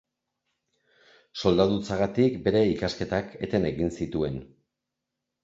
Soldadutzagatik bere ikasketak eten egin zituen.